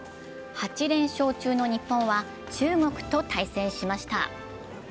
８連勝中の日本は中国と対戦しました。